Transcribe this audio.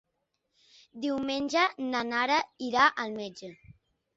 Diumenge na Nara irà al metge.